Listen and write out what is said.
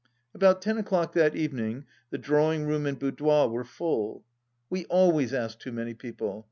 About ten o'clock that evening the drawing room and boudoir were full. We always ask too many people.